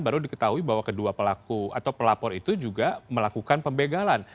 baru diketahui bahwa kedua pelaku atau pelapor itu juga melakukan pembegalan